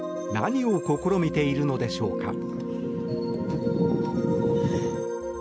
何を試みているのでしょうか。